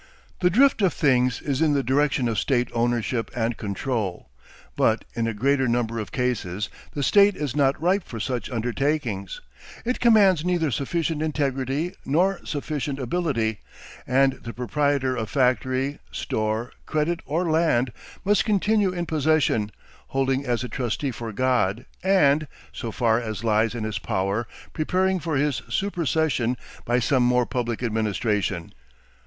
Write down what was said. The drift of things is in the direction of state ownership and control, but in a great number of cases the state is not ripe for such undertakings, it commands neither sufficient integrity nor sufficient ability, and the proprietor of factory, store, credit or land, must continue in possession, holding as a trustee for God and, so far as lies in his power, preparing for his supersession by some more public administration.